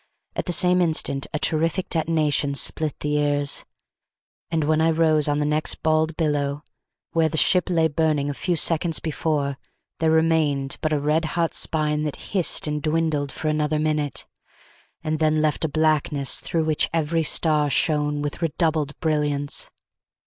At the same instant a terrific detonation split the ears; and when I rose on the next bald billow, where the ship lay burning a few seconds before, there remained but a red hot spine that hissed and dwindled for another minute, and then left a blackness through which every star shone with redoubled brilliance.